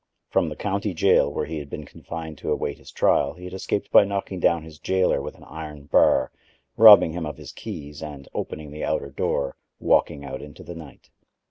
From the county jail where he had been confined to await his trial he had escaped by knocking down his jailer with an iron bar, robbing him of his keys and, opening the outer door, walking out into the night.